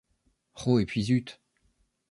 Roh et puis zut !